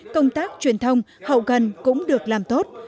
công tác truyền thông hậu cần cũng được làm tốt